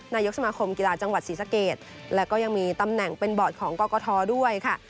นายกสมาคมกีฬาจังหวัดศรีสะเกดและก็ยังมีตำแหน่งเป็นบอร์ดของกรกฐด้วยค่ะ